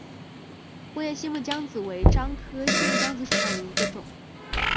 波叶新木姜子为樟科新木姜子属下的一个种。